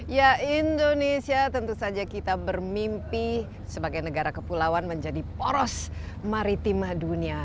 ya indonesia tentu saja kita bermimpi sebagai negara kepulauan menjadi poros maritim dunia